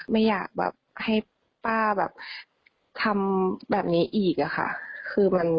ไม่อยากให้ป้าทำแบบนี้อีก